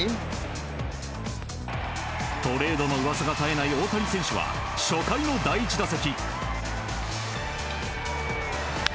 トレードの噂が絶えない大谷選手は初回の第１打席。